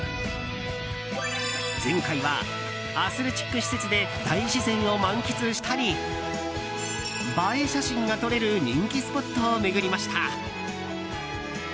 前回はアスレチック施設で大自然を満喫したり映え写真が撮れる人気スポットを巡りました。